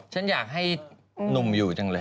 ฉันอยากให้หนุ่มอยู่จังเลย